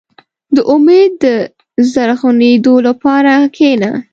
• د امید د زرغونېدو لپاره کښېنه.